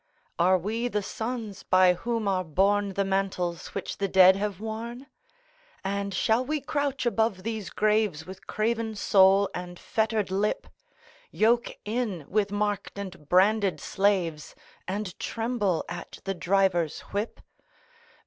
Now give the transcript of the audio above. Are we the sons by whom are borne The mantles which the dead have worn? And shall we crouch above these graves, With craven soul and fettered lip? Yoke in with marked and branded slaves, And tremble at the driver's whip?